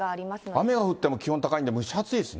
雨が降っても気温が高いんで、蒸し暑いですね。